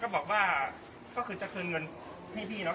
ก็บอกว่าก็คือจะเงินเงินให้พี่เนาะ๔๒๐